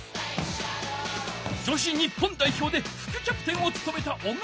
女子日本代表でふくキャプテンをつとめた小川選手。